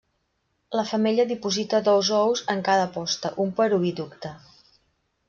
La femella diposita dos ous en cada posta, un per oviducte.